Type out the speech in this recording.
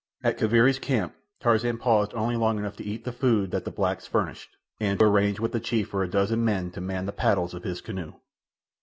At Kaviri's camp Tarzan paused only long enough to eat the food that the blacks furnished, and arrange with the chief for a dozen men to man the paddles of his canoe.